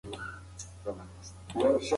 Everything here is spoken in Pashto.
دا کلا به د تل لپاره زموږ د کورنۍ مرکز پاتې شي.